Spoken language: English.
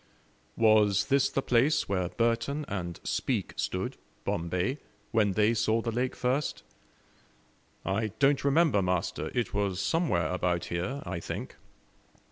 "Was this the place where Burton and Speke stood, Bombay, when they saw the lake first?" "I don't remember, master; it was somewhere about here, I think."